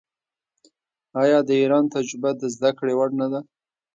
آیا د ایران تجربه د زده کړې وړ نه ده؟